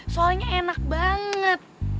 soalnya enak banget